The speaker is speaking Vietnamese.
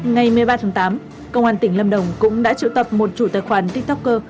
ngày một mươi ba tháng tám công an tỉnh lâm đồng cũng đã triệu tập một chủ tài khoản tiktoker